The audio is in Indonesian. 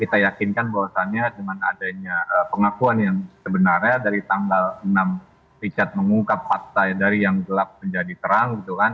dan akhirnya kita yakinkan bahwasannya dengan adanya pengakuan yang sebenarnya dari tanggal enam richard mengungkap pas saya dari yang gelap menjadi terang gitu kan